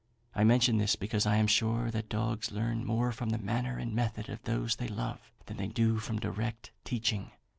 I mention this, because I am sure that dogs learn more from the manner and method of those they love, than they do from direct teaching.